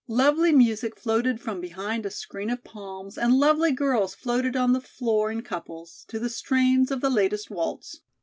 Lovely music floated from behind a screen of palms and lovely girls floated on the floor in couples, to the strains of the latest waltz.